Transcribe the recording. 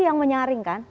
itu yang menyaring kan